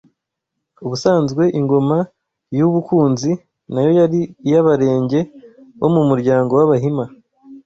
Ubusanzwe Ingoma y’u Bukunzi nayo yari iy’Abarenge bo mu muryango w’Abahima